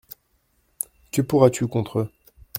Que pourras-tu contre eux ?…